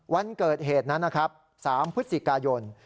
วันเกิดเหตุนั้นนะครับ๓พฤศจิกายน